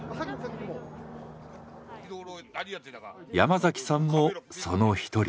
山崎さんもその一人。